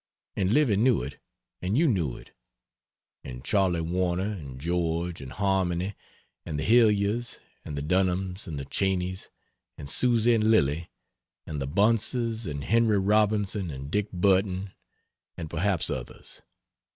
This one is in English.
And Livy knew it, and you knew it, and Charley Warner and George, and Harmony, and the Hillyers and the Dunhams and the Cheneys, and Susy and Lilly, and the Bunces, and Henry Robinson and Dick Burton, and perhaps others.